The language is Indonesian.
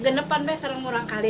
denepan serang orang kali